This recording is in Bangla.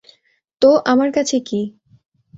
- তো আমার কাছে কি?